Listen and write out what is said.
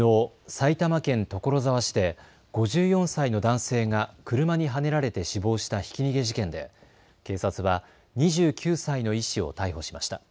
埼玉県所沢市で５４歳の男性が車にはねられて死亡したひき逃げ事件で警察は２９歳の医師を逮捕しました。